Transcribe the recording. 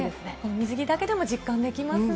水着だけでも実感できますね。